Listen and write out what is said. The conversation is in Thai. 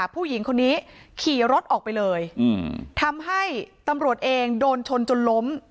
ผู้หญิงคนนี้ขี่รถออกไปเลยทำให้ตำรวจเองโดนชนจนล้ม